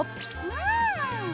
うん！